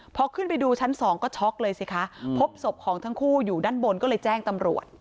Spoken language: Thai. พอขึ้นไปดูชั้นสองก็ช็อกเลยสิคะพบศพของทั้งคู่อยู่ด้านบนก็เลยแจ้งตำรวจ